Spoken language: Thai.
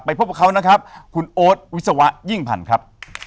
พบกับเขานะครับคุณโอ๊ตวิศวะยิ่งพันธ์ครับ